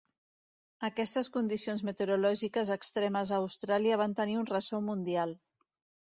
Aquestes condicions meteorològiques extremes a Austràlia van tenir un ressò mundial.